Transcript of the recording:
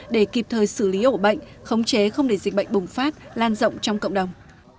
để kịp thời xử lý ổ bệnh khống chế không để dịch bệnh bùng phát lan rộng trong cộng đồng